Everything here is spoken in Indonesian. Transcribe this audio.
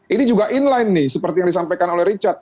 ini juga inline nih seperti yang disampaikan oleh richard